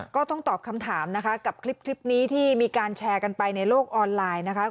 ก็ต้องตอบคำถามนะคะกับคลิปนี้ที่มีการแชร์กันไปในโลกออนไลน์นะคะ